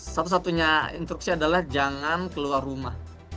satu satunya instruksi adalah jangan keluar rumah